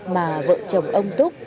mà vợ chồng ông túc